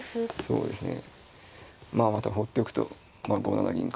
そうですね。